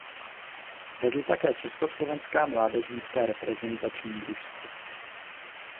Vedl také československá mládežnická reprezentační družstva.